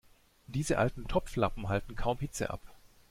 Diese alten Topflappen halten kaum Hitze ab.